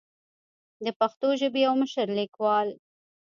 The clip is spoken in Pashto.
د پښتو ژبې يو مشر ليکوال